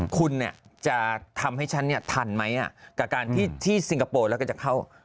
คุณจะทำให้ฉันทันไหมกับการที่ซิงคโปร์แล้วก็จะเข้า